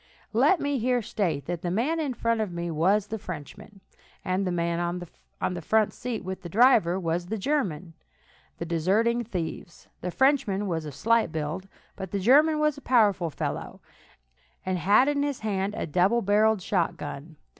Let me here state that the man in front of me was the Frenchman, and the man on the front seat with the driver was the German, the deserting thieves. The Frenchman was slight of build, but the German was a powerful fellow, and had in his hand a double barrelled shotgun.